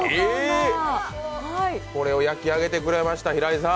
これを焼き上げてくれました平井さん。